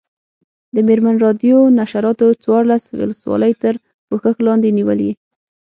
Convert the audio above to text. د مېرمن راډیو نشراتو څوارلس ولسوالۍ تر پوښښ لاندې نیولي.